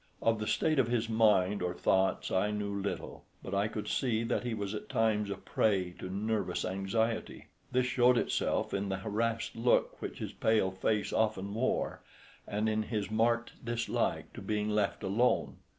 Of the state of his mind or thoughts I knew little, but I could see that he was at times a prey to nervous anxiety. This showed itself in the harassed look which his pale face often wore, and in his marked dislike to being left alone.